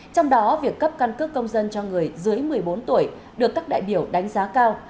trong đó việc cấp căn cước công dân cho người dưới một mươi bốn tuổi được các đại biểu đánh giá cao